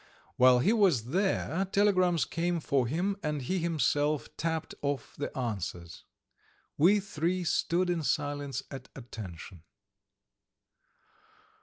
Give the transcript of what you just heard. While he was there telegrams came for him, and he himself tapped off the answers. We three stood in silence at attention.